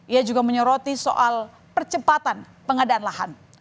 ia juga menyoroti soal percepatan pengadaan lahan